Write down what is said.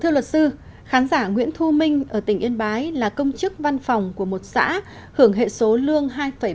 thưa luật sư khán giả nguyễn thu minh ở tỉnh yên bái là công chức văn phòng của một xã hưởng hệ số lương hai ba mươi